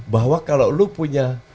bahwa kalau lo punya